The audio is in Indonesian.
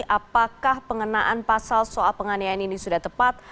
apakah pengenaan pasal soal penganiayaan ini sudah tepat